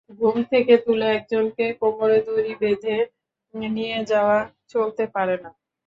ঘুম থেকে তুলে একজনকে কোমরে দড়ি বেঁধে নিয়ে যাওয়া চলতে পারে না।